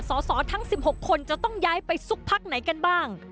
สอสอทั้ง๑๖คนจะต้องย้ายไปซุกพักไหนกันบ้าง